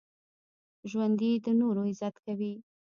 ژوندي د نورو عزت کوي